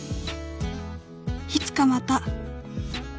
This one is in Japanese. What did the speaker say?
「いつかまた」